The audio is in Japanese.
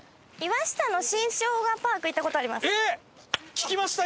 聞きました！？